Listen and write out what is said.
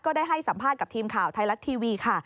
ได้ให้สัมภาษณ์กับทีมข่าวไทยรัฐทีวีค่ะ